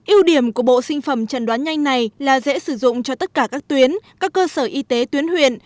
yêu điểm của bộ sinh phẩm trần đoán nhanh này là dễ sử dụng cho tất cả các tuyến các cơ sở y tế tuyến huyện